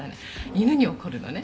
犬に怒るのね」